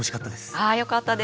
あよかったです。